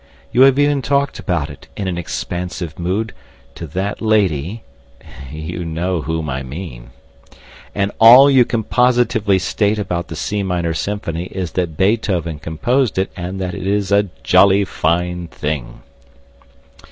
You have even talked about it, in an expansive mood, to that lady you know whom I mean. And all you can positively state about the C minor symphony is that Beethoven composed it and that it is a "jolly fine thing."